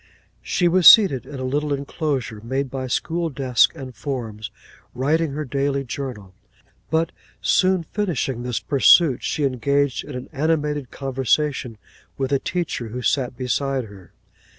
She was seated in a little enclosure, made by school desks and forms, writing her daily journal. But soon finishing this pursuit, she engaged in an animated conversation with a teacher who sat beside her.